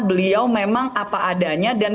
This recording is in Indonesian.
beliau memang apa adanya dan